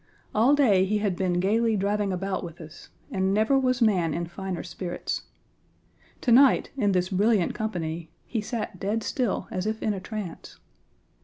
All day he had been gaily driving about with us, and never was man in finer spirits. To night, in this brilliant company, he sat dead still as if in a trance.